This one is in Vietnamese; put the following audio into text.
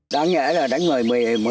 đáng nhẽ là đánh người một mươi hai